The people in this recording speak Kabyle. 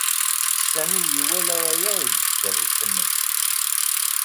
Sami iwala aya seg tkeṛṛust-nnes.